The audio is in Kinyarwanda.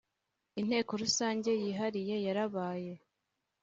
Inteko Rusange yihariye yarabaye.